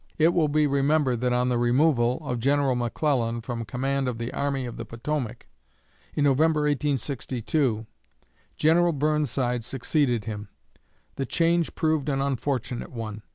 It will be remembered that on the removal of General McClellan from command of the Army of the Potomac, in November, 1862, General Burnside succeeded him. The change proved an unfortunate one.